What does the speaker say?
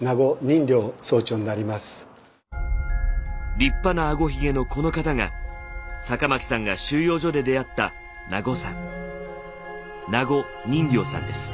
立派な顎ひげのこの方が酒巻さんが収容所で出会った「名護さん」。